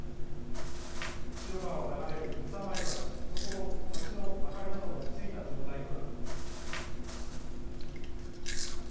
釧路川を流れるぬさまい橋、そこの端の明かりなどもついた状態です。